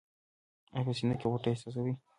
ایا په سینه کې غوټه احساسوئ؟